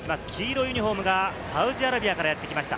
黄色いユニホームがサウジアラビアからやってきました。